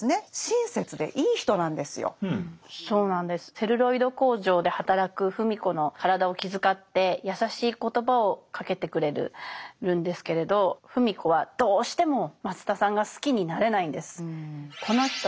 セルロイド工場で働く芙美子の体を気遣って優しい言葉をかけてくれるんですけれど芙美子はどうしても松田さんが好きになれないんです。